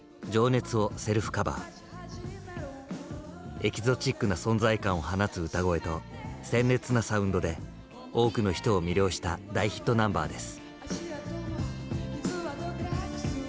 エキゾチックな存在感を放つ歌声と鮮烈なサウンドで多くの人を魅了した大ヒットナンバーです。